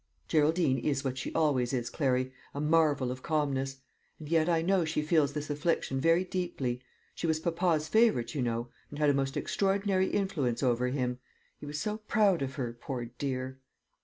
"Geraldine is what she always is, Clary a marvel of calmness. And yet I know she feels this affliction very deeply. She was papa's favourite, you know, and had a most extraordinary influence over him. He was so proud of her, poor dear!"